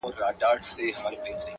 • مه وله د سترگو اټوم مه وله.